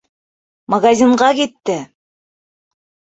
Магазинға китте!